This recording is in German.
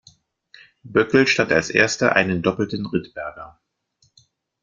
Böckl stand als Erster einen doppelten Rittberger.